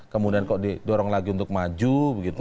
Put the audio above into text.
kemudian kok didorong lagi untuk maju begitu